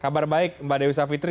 kabar baik mbak dewi savitri